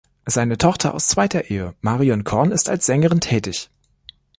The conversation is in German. Seine Tochter aus zweiter Ehe Marion Korn ist als Sängerin tätig.